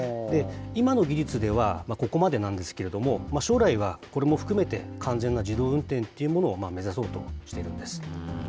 今の技術ではここまでなんですけれども、将来はこれも含めて完全な自動運転というものを目指そうとしているんです。